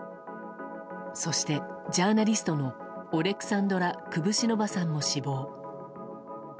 そして、ジャーナリストのオレクサンドラ・クブシノヴァさんも死亡。